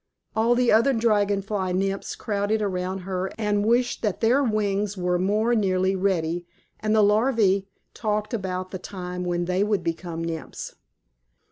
All the other Dragon Fly Nymphs crowded around her and wished that their wings were more nearly ready, and the larvæ talked about the time when they should become Nymphs.